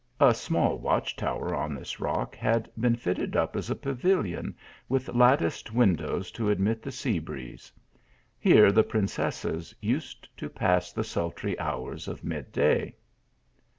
A small watch tower on this rock had been fitted up as a pavilion, with latticed win dows to admit the sea breeze. Here the princesses used to pass the sultry hours of mid day.